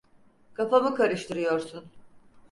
Kafamı karıştırıyorsun.